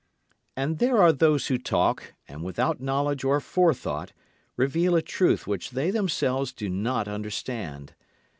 And there are those who talk, and without knowledge or forethought reveal a truth which they themselves do not understand.